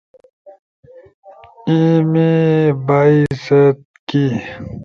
ایِمی بائی، سیت کی